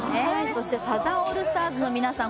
そしてサザンオールスターズの皆さん